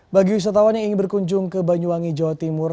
bagi wisatawan yang ingin berkunjung ke banyuwangi jawa timur